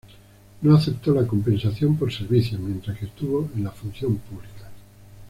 No aceptó la compensación por servicios, mientras que estuvo en la función pública.